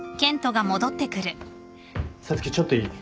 皐月ちょっといい？